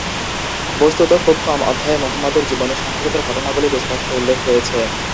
বস্তুত, খুব কম অধ্যায়ে মুহাম্মদের জীবনে সংঘটিত ঘটনাবলীর স্পষ্ট উল্লেখ রয়েছে।